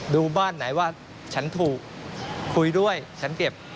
ดูบ้านไหนว่าฉันถูกคุยด้วยฉันเก็บ